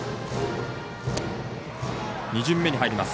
２巡目に入ります。